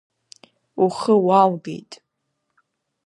Ухы уалгеит.